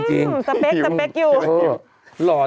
หล่อใจละจากเด็กเลย